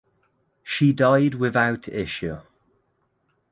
She died without issue.